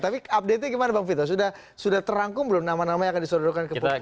tapi update nya gimana bang vito sudah terangkum belum nama nama yang akan disodorkan ke publik